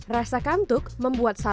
rasa kantuk membuat saksikan